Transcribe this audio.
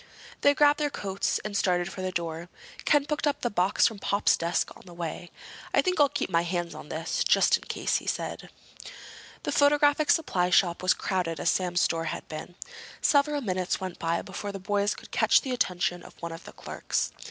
They grabbed their coats and started for the door. Ken picked up the box from Pop's desk on the way. "I think I'll keep my hands on this—just in case," he said. The photographic supply shop was as crowded as Sam's store had been. Several minutes went by before the boys could catch the attention of one of the clerks.